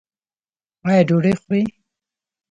ایا ډوډۍ خورئ؟